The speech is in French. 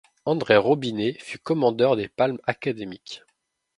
André Robinet fut commandeur des Palmes académiques.